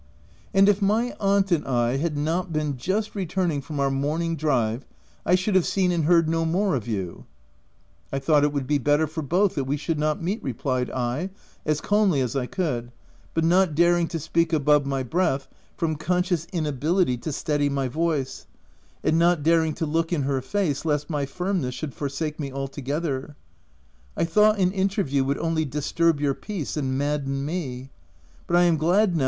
" And if my aunt and I had not been just returning from our morning drive, I should have seen and heard no more of you }"" I thought it would be better for both that we should not meet," replied I as calmly as I could, but not daring to speak above my breath from conscious inability to steady my voice, and not daring to look in her face lest my firmness should forsake me altogether :" I thought an interview would only disturb your peace and madden me. But I am glad, now.